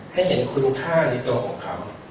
ให้เห็นคุณค่าในตัวของเขา